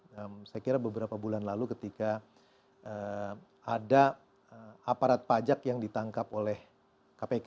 jadi saya kira beberapa bulan lalu ketika ada aparat pajak yang ditangkap oleh kpk